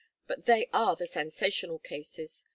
But they are sensational cases.